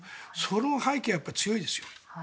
その背景は強いですよ。